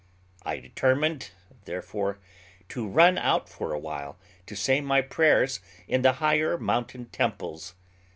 I determined, therefore, to run out for a while to say my prayers in the higher mountain temples.